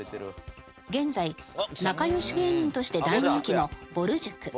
現在仲良し芸人として大人気のぼる塾。